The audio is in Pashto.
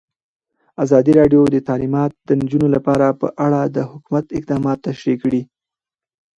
ازادي راډیو د تعلیمات د نجونو لپاره په اړه د حکومت اقدامات تشریح کړي.